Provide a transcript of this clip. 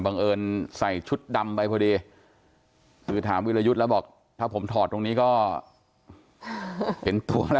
บังเอิญใส่ชุดดำไปพอดีคือถามวิรยุทธ์แล้วบอกถ้าผมถอดตรงนี้ก็เห็นตัวแล้ว